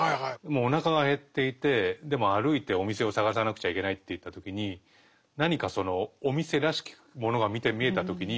もうおなかが減っていてでも歩いてお店を探さなくちゃいけないっていった時に何かそのお店らしきものが見えた時にここはレストランだと。